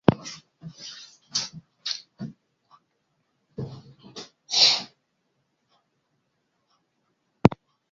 Estos clústeres tratan de brindar la máxima disponibilidad de los servicios que ofrecen.